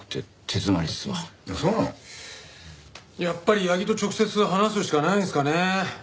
やっぱり八木と直接話すしかないんですかね？